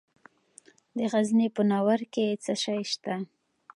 د غزني په ناوور کې څه شی شته؟